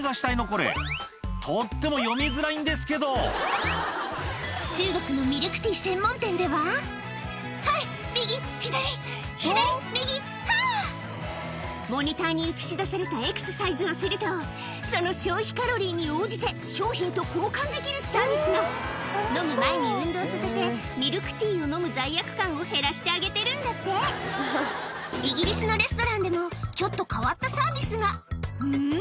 これとっても読みづらいんですけど中国のミルクティー専門店では「はい右左左右はぁ！」モニターに映し出されたエクササイズをするとその消費カロリーに応じて商品と交換できるサービスが飲む前に運動させてミルクティーを飲む罪悪感を減らしてあげてるんだってイギリスのレストランでもちょっと変わったサービスがうん？